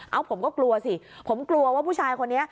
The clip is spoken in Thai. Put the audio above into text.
ผมก็กลัวสิผมกลัวว่าผู้ชายคนนี้